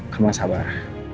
kamu harus sabar